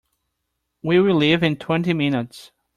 We will leave in twenty minutes.